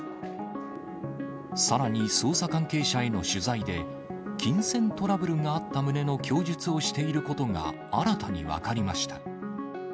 さらに捜査関係者への取材で、金銭トラブルがあった旨の供述をしていることが、新たに分かりました。